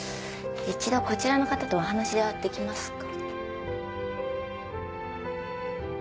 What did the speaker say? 一度こちらの方とお話はできますか？